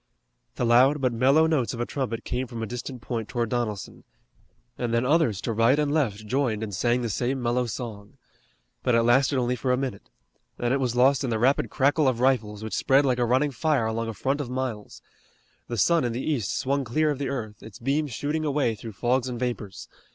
The loud but mellow notes of a trumpet came from a distant point toward Donelson, and then others to right and left joined and sang the same mellow song. But it lasted only for a minute. Then it was lost in the rapid crackle of rifles, which spread like a running fire along a front of miles. The sun in the east swung clear of the earth, its beams shooting a way through fogs and vapors.